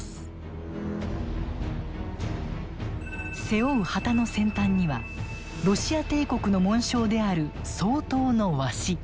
背負う旗の先端にはロシア帝国の紋章である双頭のワシ。